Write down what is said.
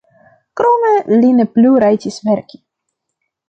Krome li ne plu rajtis verki.